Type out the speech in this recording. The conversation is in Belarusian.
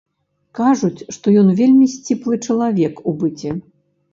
Кажуць, што ён вельмі сціплы чалавек у быце.